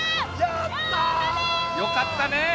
よかったね。